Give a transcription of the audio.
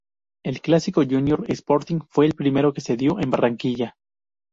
El clásico Junior-Sporting fue el primero que se dio en Barranquilla.